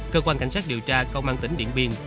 cơ quan cảnh sát điều tra công an tỉnh điện biên